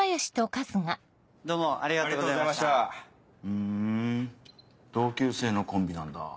ふん同級生のコンビなんだ。